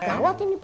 jauh tuh nih po